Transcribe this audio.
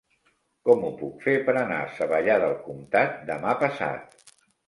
Com ho puc fer per anar a Savallà del Comtat demà passat?